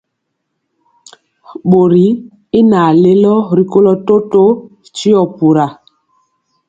Bori y naŋ lelo rikolo totó tio pura.